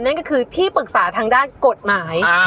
นั่นก็คือที่ปรึกษาทางด้านกฎหมาย